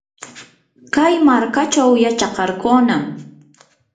kay markachaw yachakarqunam.